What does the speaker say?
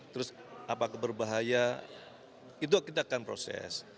terus apakah berbahaya itu kita akan proses